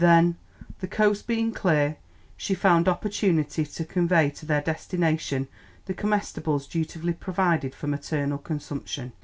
Then, the coast being clear, she found opportunity to convey to their destination the comestibles dutifully provided for maternal consumption.